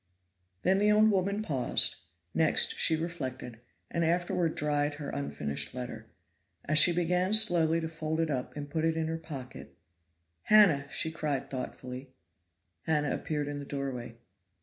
Then the old woman paused, next she reflected, and afterward dried her unfinished letter. And as she began slowly to fold it up and put it in her pocket "Hannah," cried she thoughtfully. Hannah appeared in the doorway.